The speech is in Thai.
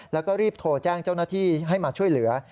แล้วก็รีบโทรแจ้งเจ้าหน้าที่ให้มาช่วยเหลือ